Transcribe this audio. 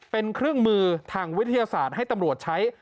เป็นเครื่องมือทางวิทยาศาสตร์ให้ตำรวจใช้